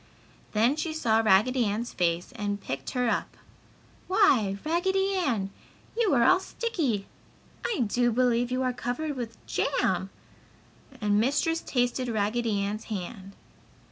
Then she saw Raggedy Ann's face and picked her up. "Why Raggedy Ann, you are all sticky! I do believe you are covered with jam!" and Mistress tasted Raggedy Ann's hand.